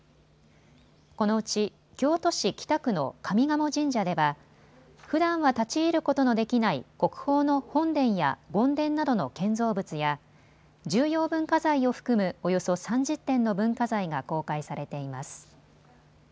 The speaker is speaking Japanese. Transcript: このうち京都市北区の上賀茂神社ではふだんは立ち入ることのできない国宝の本殿や権殿などの建造物や重要文化財を含むおよそ３０点の文化財が公開されています。